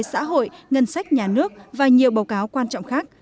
xã hội ngân sách nhà nước và nhiều báo cáo quan trọng khác